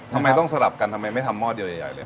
ทำไมต้องสลับกันทำไมไม่ทำหม้อเดียวใหญ่เลย